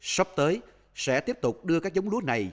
sắp tới sẽ tiếp tục đưa các giống lúa này